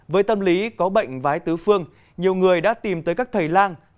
với tâm lý có bệnh vái tứ phương nhiều người đã tìm tới các thầy lang